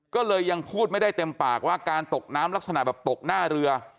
ก็เลยยังพูดไม่ได้เต็มปากว่าการตกน้ำลักษณะแบบตกหน้าเรือ